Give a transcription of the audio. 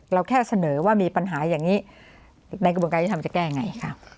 เราแค่เสนอว่ามีปัญหาอย่างนี้ในกระบวนการยุทธรรมจะแก้ยังไงค่ะ